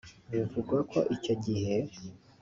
Bivugwa ko icyo gihe